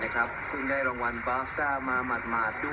คุณได้รางวัลบาฟเตอร์มาหมดด้วย